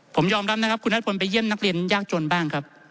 ผมยอมรับนะครับคุณนัทพลไปเยี่ยมนักเรียนยากจนบ้างครับ